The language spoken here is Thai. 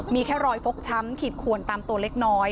มีแค่รอยฟกช้ำขีดขวนตามตัวเล็กน้อย